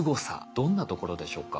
どんなところでしょうか？